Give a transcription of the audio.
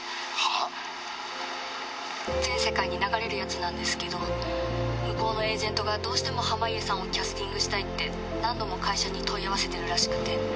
「全世界に流れるやつなんですけど向こうのエージェントがどうしても濱家さんをキャスティングしたいって何度も会社に問い合わせてるらしくて」